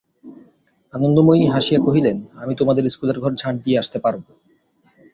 আনন্দময়ী হাসিয়া কহিলেন, আমি তোমাদের ইস্কুলের ঘর ঝাঁট দিয়ে আসতে পারব।